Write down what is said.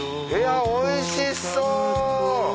いやおいしそう。